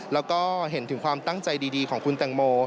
แล้วก็เห็นถึงความตั้งใจดีของคุณแตงโม